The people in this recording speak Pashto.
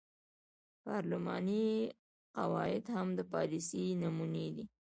پارلماني قواعد هم د پالیسۍ نمونې دي.